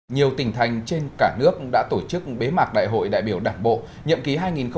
nhiều tỉnh thành trên cả nước đã tổ chức bế mạc đại hội đại biểu đảng bộ nhậm ký hai nghìn hai mươi hai nghìn hai mươi năm